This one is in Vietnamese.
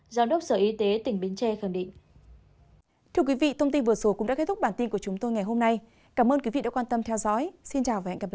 giám đốc sở y tế tỉnh bến tre khẳng định